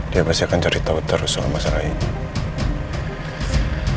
dia pasti akan cerita terus soal masalah ini